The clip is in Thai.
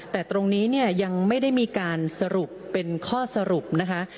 แต่ตรงนี้เนี่ยยังไม่ได้มีการสรุปเป็นข้อสรุปนะคะ